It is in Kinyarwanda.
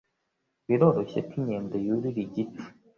Biroroshye ko inkende yurira igiti.